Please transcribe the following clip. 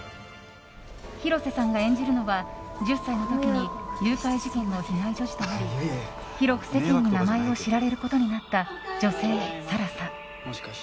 広瀬さんが演じるのは１０歳の時に誘拐事件の被害女児となり広く世間に名前を知られることになった女性更紗。